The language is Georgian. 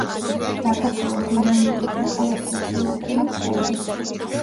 საქართველოს ეროვნული საკალათბურთო ნაკრების წევრი.